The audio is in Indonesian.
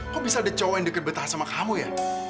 kok bisa ada cowok yang deket betahan sama kamu ya